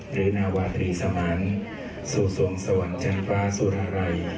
นาวาตรีสมันสู่สวงสวรรค์ชั้นฟ้าสุรัย